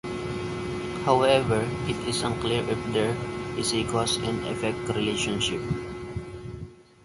However, it is unclear if there is a cause and effect relationship.